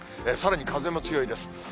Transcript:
さらに風も強いです。